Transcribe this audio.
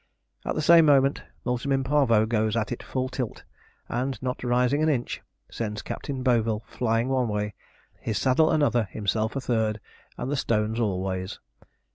At the same moment, Multum in Parvo goes at it full tilt; and, not rising an inch, sends Captain Boville flying one way, his saddle another, himself a third, and the stones all ways.